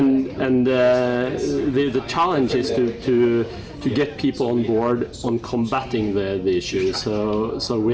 dan tantangan adalah untuk membuat orang orang di dalam perjuangan untuk mengatasi masalah itu